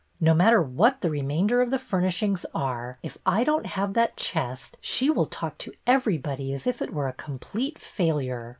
No matter what the remainder of the furnishings are, if I don't have that chest she will talk to everybody as if it were a complete failure.